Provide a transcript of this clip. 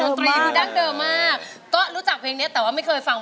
อยากเจอคนจริงใจมีไม่แถวนี้อยากเจอคนดีแถวนี้มีไม่เอิง